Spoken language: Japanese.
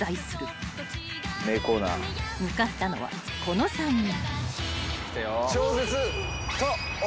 ［向かったのはこの３人］